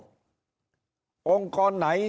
ช่องทางไหนที่เปิดให้ร้องขอความเป็นธรรมไปร้องหมด